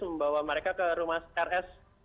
membawa mereka ke rumah rs